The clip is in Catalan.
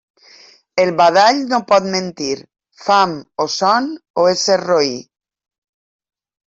El badall no pot mentir: fam o son o ésser roí.